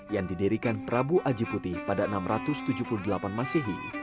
yang didirikan prabu aji putih pada enam ratus tujuh puluh delapan masehi